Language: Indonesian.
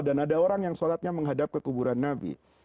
dan ada orang yang sholatnya menghadap ke kuburan nabi